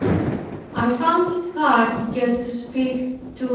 I found it hard to get to speak to M.